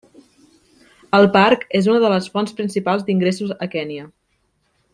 El parc és una de les fonts principals d'ingressos a Kenya.